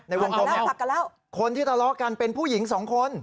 ในวงคลมคนที่ตลอกกันเป็นผู้หญิงสองคน